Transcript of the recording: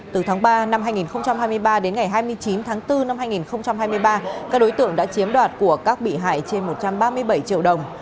từ tháng ba năm hai nghìn hai mươi ba đến ngày hai mươi chín tháng bốn năm hai nghìn hai mươi ba các đối tượng đã chiếm đoạt của các bị hại trên một trăm ba mươi bảy triệu đồng